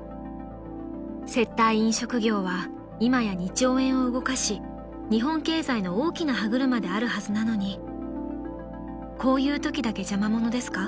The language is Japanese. ［接待飲食業は今や２兆円を動かし日本経済の大きな歯車であるはずなのにこういうときだけ邪魔者ですか？